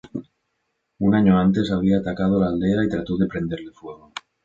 Un año antes, había atacado la aldea y trató de prenderle fuego.